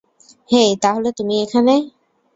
হেই, তাহলে তুমি এখানে।